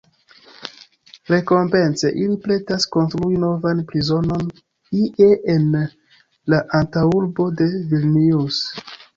Rekompence ili pretas konstrui novan prizonon ie en la antaŭurbo de Vilnius.